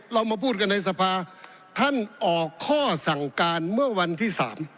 เรามาพูดกันในสภาท่านออกข้อสั่งการเมื่อวันที่๓